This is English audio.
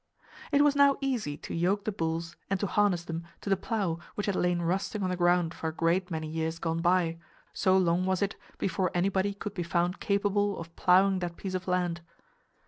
It was now easy to yoke the bulls and to harness them to the plow which had lain rusting on the ground for a great many years gone by, so long was it before anybody could be found capable of plowing that piece of land.